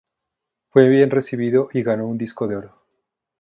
Fue bien recibido y ganó un disco de oro.